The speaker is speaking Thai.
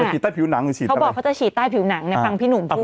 เขาบอกว่าเขาจะฉีดใต้ผิวหนังในฟังพี่หนุ่มพูด